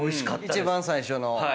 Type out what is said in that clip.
一番最初の。